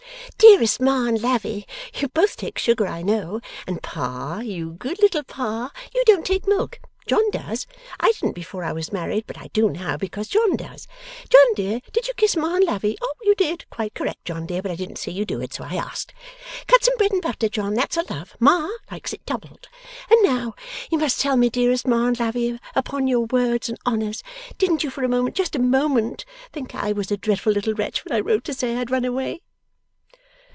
'Dearest Ma and Lavvy, you both take sugar, I know. And Pa (you good little Pa), you don't take milk. John does. I didn't before I was married; but I do now, because John does. John dear, did you kiss Ma and Lavvy? Oh, you did! Quite correct, John dear; but I didn't see you do it, so I asked. Cut some bread and butter, John; that's a love. Ma likes it doubled. And now you must tell me, dearest Ma and Lavvy, upon your words and honours! Didn't you for a moment just a moment think I was a dreadful little wretch when I wrote to say I had run away?